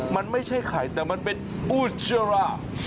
มันไม่ใช่ไข่แต่มันเป็นอุจจาระ